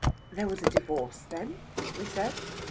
"There was a divorce, then?" we said.